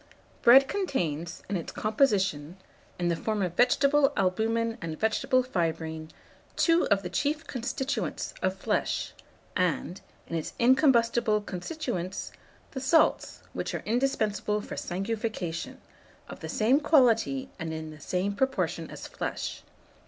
Bread contains, in its composition, in the form of vegetable albumen and vegetable fibrine, two of the chief constituents of flesh, and, in its incombustible constituents, the salts which are indispensable for sanguification, of the same quality and in the same proportion as flesh.